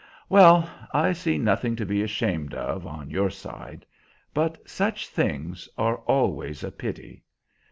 "Well, I see nothing to be ashamed of, on your side. But such things are always a pity.